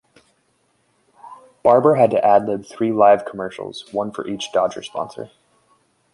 Barber had to ad-lib three live commercials, one for each Dodger sponsor.